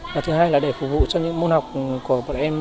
và thứ hai là để phục vụ cho những môn học của bọn em